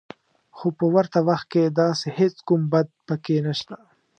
خو په ورته وخت کې داسې هېڅ کوم بد پکې نشته